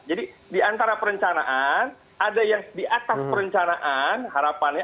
jadi di antara perencanaan ada yang di atas perencanaan harapannya